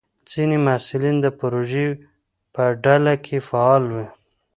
ځینې محصلین د پروژې په ډله کې فعال وي.